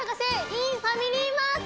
ｉｎファミリーマート！